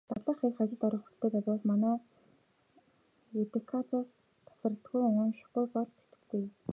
Дадлага хийх, ажилд орох хүсэлтэй залуус манай редакцаас тасардаггүй. УНШИХГҮЙ БОЛ СЭТГЭХГҮЙ.